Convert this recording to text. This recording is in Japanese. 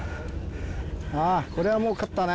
あぁこれはもう勝ったね